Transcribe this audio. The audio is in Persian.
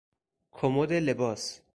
کمد لباس